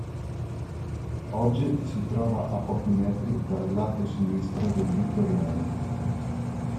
Oggi si trova a pochi metri dal lato sinistro del Vittoriano.